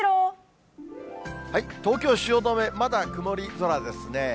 東京・汐留、まだ曇り空ですね。